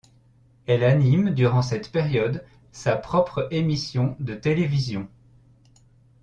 Elle anime durant cette période sa propre émission de télévision.